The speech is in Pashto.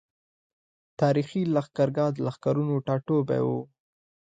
تاريخي لښکرګاه د لښکرونو ټاټوبی وو۔